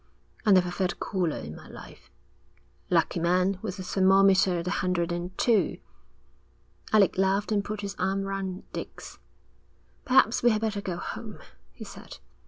'I never felt cooler in my life.' 'Lucky man, with the thermometer at a hundred and two!' Alec laughed and put his arm through Dick's. 'Perhaps we had better go home,' he said.